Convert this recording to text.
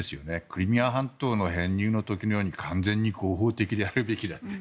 クリミア半島の編入の時のように完全に合法的であるべきだと。